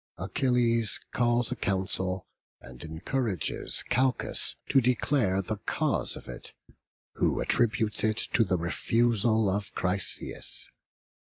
Achilles calls a council, and encourages Calchas to declare the cause of it, who attributes it to the refusal of Chryseis.